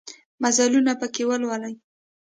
مزلونه پکښې لولم